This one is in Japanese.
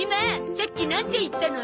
さっきなんて言ったの？